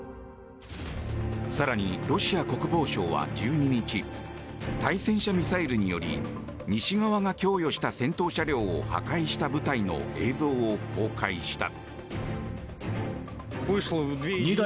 更に、ロシア国防省は１２日対戦車ミサイルにより西側が供与した戦闘車両を破壊した部隊の映像を公開した。